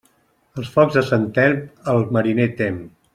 Els focs de Sant Elm, el mariner tem.